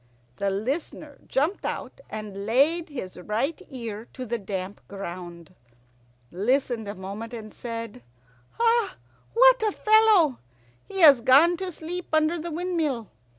The Listener jumped out and laid his right ear to the damp ground, listened a moment, and said, "What a fellow! He has gone to sleep under the windmill.